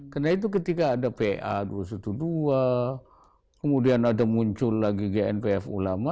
karena itu ketika ada pa dua ratus dua belas kemudian ada muncul lagi gnpf ulama